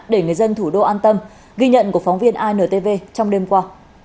để người dân thủ đô an tâm ghi nhận của phóng viên intv trong đêm qua